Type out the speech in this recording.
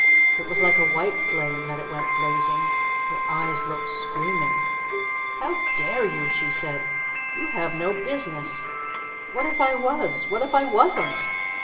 It was like a white flame that it went blazing. Her eyes looked screaming. "How dare you?" she said. "You have no business! What if I was? What if I wasn't?"